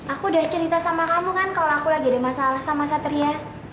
aku udah cerita sama kamu kan kalau aku lagi ada masalah sama satria